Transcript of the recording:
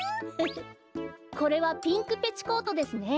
これはピンクペチコートですね。